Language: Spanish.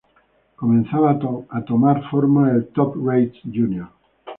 Comenzaba a tomar forma el Top Race Junior.